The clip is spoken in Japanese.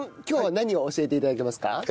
今日は何を教えて頂けますか？